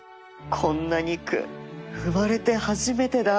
こんな肉生まれて初めてだ